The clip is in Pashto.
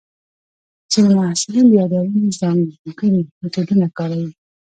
ځینې محصلین د یادونې ځانګړي میتودونه کاروي.